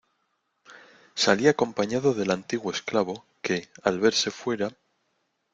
salí acompañado del antiguo esclavo, que , al verse fuera